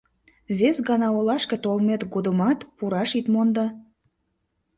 Вес гана олашке толмет годымат пураш ит мондо.